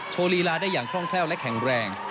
โชว์ลีลาได้อย่างคล่องแคล่วและแข็งแรง